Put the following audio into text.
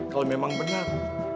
kalau memang benar